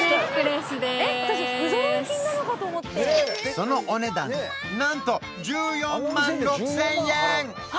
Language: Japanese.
そのお値段なんと１４万６０００円！